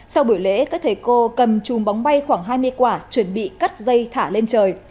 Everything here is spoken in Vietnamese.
sau buổi lễ các thầy cô cầm chùm bóng bay khoảng hai mươi quả chuẩn bị cắt dây thả lên trời